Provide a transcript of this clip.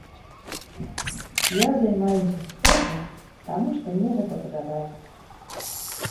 Я займаюся спортам, таму што мне гэта падабаецца.